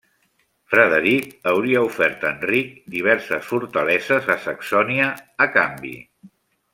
Frederic hauria ofert a Enric diverses fortaleses a Saxònia a canvi.